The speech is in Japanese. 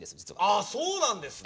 あそうなんですね。